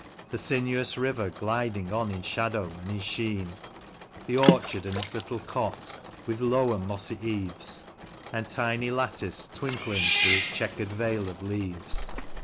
The sinuous river gliding on in shadow and in sheen ; The orchard and its little cot, with low and mossy eaves. And tiny lattice twinkling through its chequered veil of leaves.